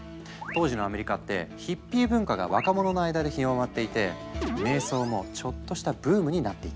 当時のアメリカってヒッピー文化が若者の間で広まっていて瞑想もちょっとしたブームになっていたんだ。